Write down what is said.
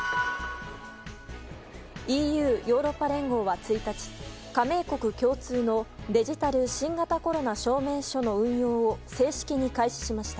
ＥＵ・ヨーロッパ連合は１日加盟国共通のデジタル新型コロナ証明書の運用を正式に開始しました。